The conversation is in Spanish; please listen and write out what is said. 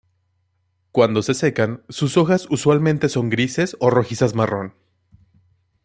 Cuando se secan, sus hojas usualmente son grises o rojizas marrón.